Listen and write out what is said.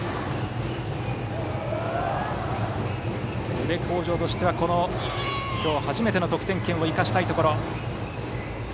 宇部鴻城としては、今日初めての得点機を生かしたいところ。